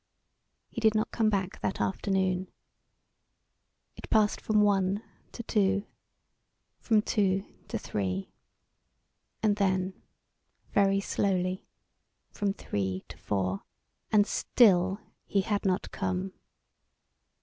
He did not come back that afternoon. It passed from one to two, from two to three, and then very slowly from three to four, and still he had not come.